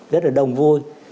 rất là đông vui